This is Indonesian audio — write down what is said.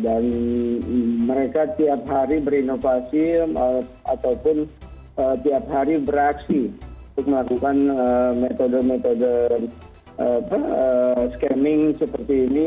dan mereka tiap hari berinovasi ataupun tiap hari beraksi untuk melakukan metode metode scamming seperti ini